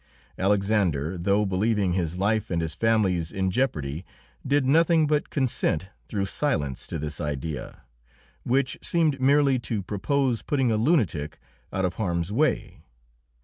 Alexander, though believing his life and his family's in jeopardy, did nothing but consent through silence to this idea, which seemed merely to propose putting a lunatic out of harm's way.